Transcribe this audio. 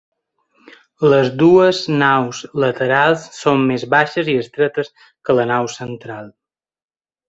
Les dues naus laterals són més baixes i estretes que la nau central.